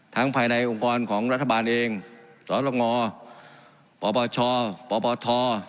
ภายในองค์กรของรัฐบาลเองสรงปปชปปท